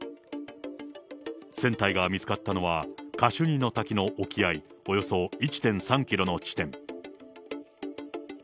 船体が見つかったのは、カシュニの滝の沖合およそ１．３キロの地点。